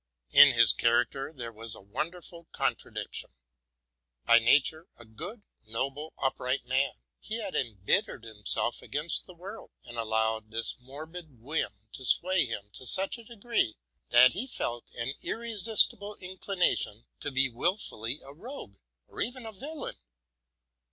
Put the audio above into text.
In his character there was a wonderful contradiction. By nature a good, noble, upright man, he had embittered himself against the world, and allowed this morbid whim to sway him to such a degree, that he felt an irresistible inclination to be wilfully a rogue, or even a vil lain.